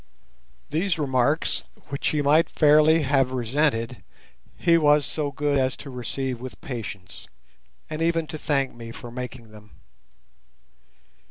These remarks, which he might fairly have resented, he was so good as to receive with patience, and even to thank me for making them.